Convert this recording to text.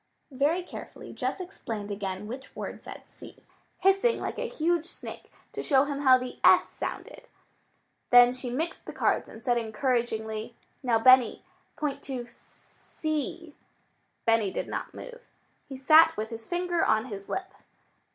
Very carefully, Jess explained again which word said see, hissing like a huge snake to show him how the s sounded. Then she mixed the cards and said encouragingly, "Now, Benny, point to s s s ee." Benny did not move. He sat with his finger on his lip.